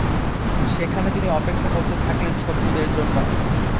সেখানে তিনি অপেক্ষা করতে থাকলেন শত্রুদের জন্য।